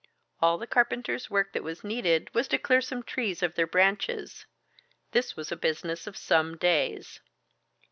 All the carpenter's work that was needed was to clear some trees of their branches: this was a business of some days.